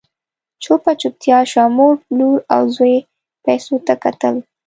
چوپه چوپتيا شوه، مور، لور او زوی پيسو ته کتل…